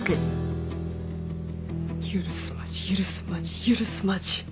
許すまじ許すまじ許すまじ。